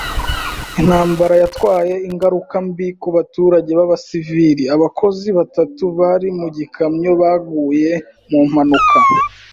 Intambara yatwaye ingaruka mbi ku baturage b'abasivili. Abakozi batatu bari mu gikamyo baguye mu mpanuka.